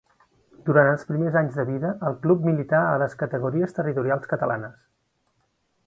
Durant els primers anys de vida, el club milità a les categories territorials catalanes.